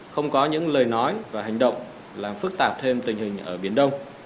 không có những lời nói và hành động làm phức tạp thêm tình hình ở biển đông